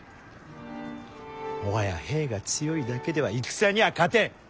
もはや兵が強いだけでは戦にゃあ勝てん！